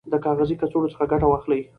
د کاغذي کڅوړو څخه ګټه واخلئ.